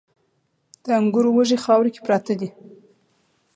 د انګورو وږي خاورو کې پراته دي